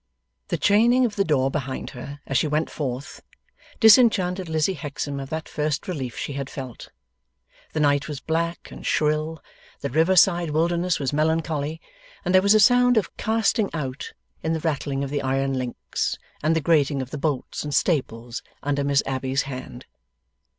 The chaining of the door behind her, as she went forth, disenchanted Lizzie Hexam of that first relief she had felt. The night was black and shrill, the river side wilderness was melancholy, and there was a sound of casting out, in the rattling of the iron links, and the grating of the bolts and staples under Miss Abbey's hand.